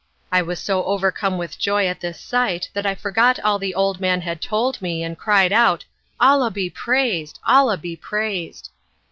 I was so overcome with joy at this sight that I forgot all the old man had told me, and cried out, "Allah be praised! Allah be praised!"